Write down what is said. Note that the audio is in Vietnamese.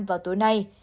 vào tối nay